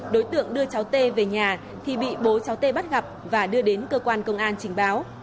đối tượng đưa cháu tê về nhà thì bị bố cháu tê bắt gặp và đưa đến cơ quan công an trình báo